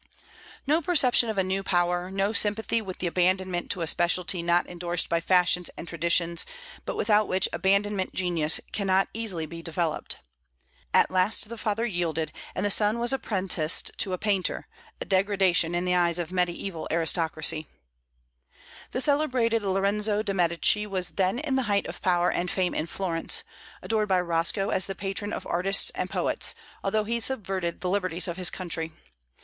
No perception of a new power, no sympathy with the abandonment to a specialty not indorsed by fashions and traditions, but without which abandonment genius cannot easily be developed. At last the father yielded, and the son was apprenticed to a painter, a degradation in the eyes of Mediaeval aristocracy. The celebrated Lorenzo de' Medici was then in the height of power and fame in Florence, adored by Roscoe as the patron of artists and poets, although he subverted the liberties of his country.